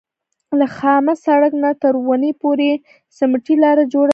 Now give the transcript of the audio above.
له خامه سړک نه تر ونې پورې سمټي لاره جوړه ده.